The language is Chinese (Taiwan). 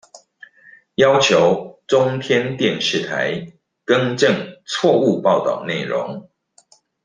要求中天電視台更正錯誤報導內容